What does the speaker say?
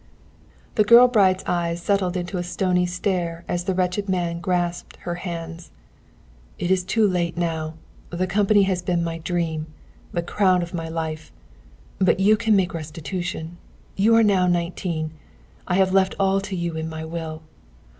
The girl bride's, eyes settled into a stony stare as the wretched man grasped her hands. "It is too late now. The company has been my dream, the crown of my life. But you can make restitution. You are now nineteen. I have left all to you, in my will.